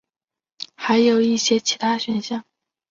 还有一些其他选项。